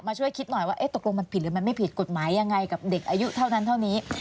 ช่วยคิดหน่อยว่าตกลงมันผิดหรือมันไม่ผิดกฎหมายยังไงกับเด็กอายุเท่านั้นเท่านี้